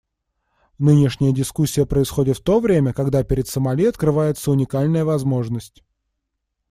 Нынешняя дискуссия проходит в то время, когда перед Сомали открывается уникальная возможность.